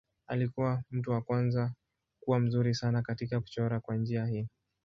Alikuwa mtu wa kwanza kuwa mzuri sana katika kuchora kwa njia hii.